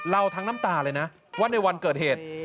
ทั้งน้ำตาเลยนะว่าในวันเกิดเหตุ